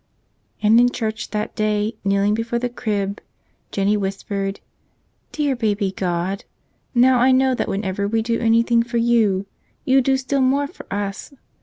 And in church that day, kneeling before the crib, Jennie whispered, "Dear Baby God, now I know that whenever we do anything for You, You do still more for us.